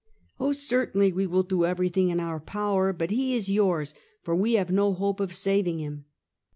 " Oh, certainly, we will do everything in our power; but he is yours, for we have no hope of saving him."